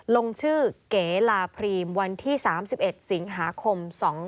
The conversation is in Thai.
ลงชื่อเก๋ลาพรีมวันที่๓๑สิงหาคม๒๕๖